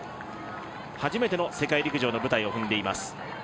初めての世界陸上の舞台を踏んでいます。